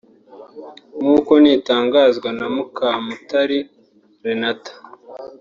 nk’uko nitangazwa na Mukamutari Renata